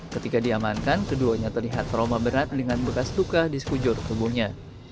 ketika diamankan keduanya terlihat trauma berat dengan bekas luka di sekujur tubuhnya